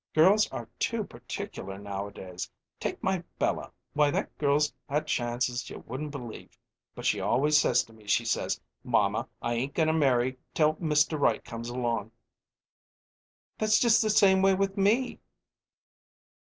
"Girls are too particular nowadays. Take my Bella why, that girl's had chances you wouldn't believe! But she always says to me, she says, 'Mamma, I ain't goin' to marry till Mr. Right comes along.'" "That's just the same way with me."